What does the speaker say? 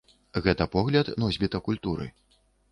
Гэта погляд носьбіта культуры.